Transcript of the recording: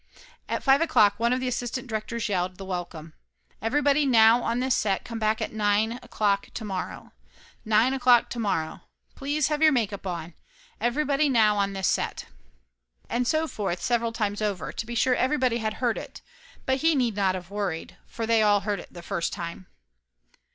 At five o'clock one of the assistant directors yelled the welcome "Everybody now on this set come back at nine o'clock to morrow! Nine o'clock to morrow. Please have your make up on ; everybody now on this set." And so forth several times over to be sure every body had heard it, but he need not of worried, for they all heard the first time.